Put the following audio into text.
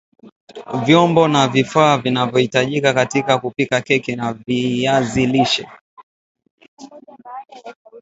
Vyombo na vifaa vinavyahitajika katika kupika keki ya viazi lishe